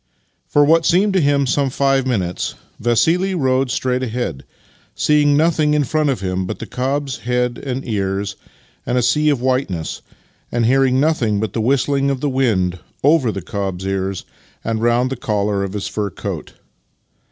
For what seemed to him some five minutes Vassili rode straight ahead, seeing nothing in front of him but the cob's head and ears and a sea of whiteness, and hearing nothing but the vv^histling of the wind over the cob's ears and round the collar of his fur coat.